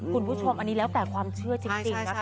คุณผู้ชมอันนี้แล้วแต่ความเชื่อจริงนะคะ